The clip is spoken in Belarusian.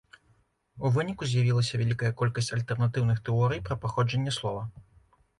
У выніку з'явілася вялікая колькасць альтэрнатыўных тэорый пра паходжанне слова.